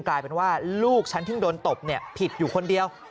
กลายเป็นว่าลูกฉันที่โดนตบผิดอยู่คนเดียว